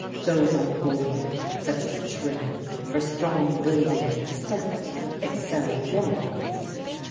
Those on the Boyne, such as Trim, for strong building and extent, excel in many ways.